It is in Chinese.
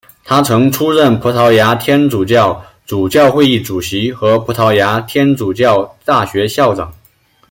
他曾出任葡萄牙天主教主教会议主席和葡萄牙天主教大学校长。